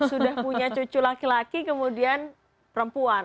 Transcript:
sudah punya cucu laki laki kemudian perempuan